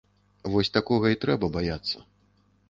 Вось такога і трэба баяцца.